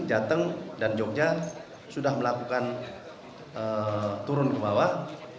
jateng dan jogja sudah melakukan turun ke bawah